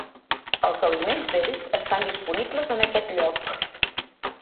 Els aliments vells estan disponibles en aquest lloc.